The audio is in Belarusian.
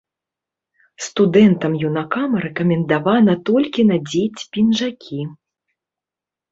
Студэнтам-юнакам рэкамендавана толькі надзець пінжакі.